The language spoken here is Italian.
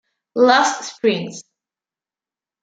Lost Springs